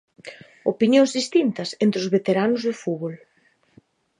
Opinións distintas entre os veteranos do fútbol.